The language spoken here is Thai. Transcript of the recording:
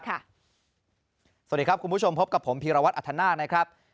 สวัสดีครับคุณผู้ชมพบกับผมพีรวัตรอัธนาคนะครับ